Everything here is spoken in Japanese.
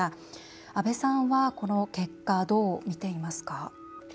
阿部さんはこの結果、どう見ていますか？